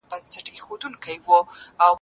موږ باید خپله څېړنه په وخت بشپړه کړو.